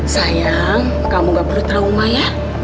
sayang kamu gak perlu trauma ya